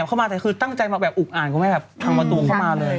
เข้ามาแต่คือตั้งใจมาแบบอุกอ่านคุณแม่แบบพังประตูเข้ามาเลย